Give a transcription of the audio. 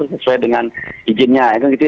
sesuai dengan izinnya